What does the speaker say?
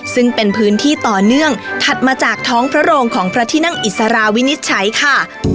ซึ่งเป็นพื้นที่ต่อเนื่องถัดมาจากท้องพระโรงของพระที่นั่งอิสราวินิจฉัยค่ะ